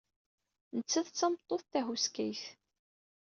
Nettat d tameṭṭut tahuskayt.